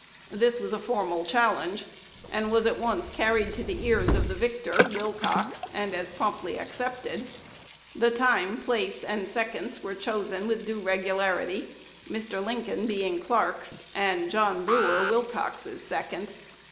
This was a formal challenge, and was at once carried to the ears of the victor (Wilcox), and as promptly accepted. The time, place, and seconds were chosen with due regularity; Mr. Lincoln being Clark's, and John Brewer, Wilcox's second.